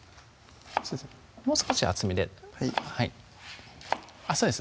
もう少し厚めではいそうです